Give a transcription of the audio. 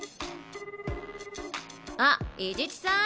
あっ伊地知さん？